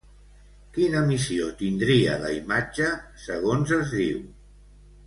Quina missió tindria la imatge, segons es diu?